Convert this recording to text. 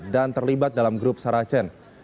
dan terlibat dalam grup saracen